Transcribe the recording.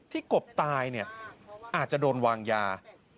ที่กบตายอาจจะโดนวางยา